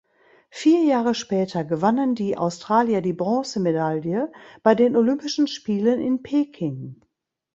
Vier Jahre später gewannen die Australier die Bronzemedaille bei den Olympischen Spielen in Peking.